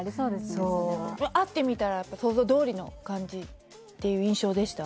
それは会ってみたら想像どおりの感じっていう印象でした？